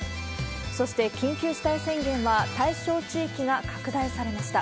そして、緊急事態宣言は対象地域が拡大されました。